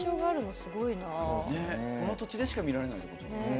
この土地でしか見られないってことか。